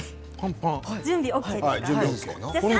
準備ＯＫですね。